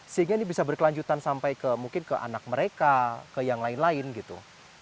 sehingga ini bisa berkelanjutan sampai ke mungkin ke anak mereka ke yang lain lain gitu